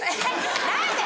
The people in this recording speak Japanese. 何で？